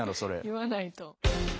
言わないと。